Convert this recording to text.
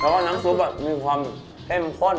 เธอเหลือว่าน้ำซุปมีความเข้มข้น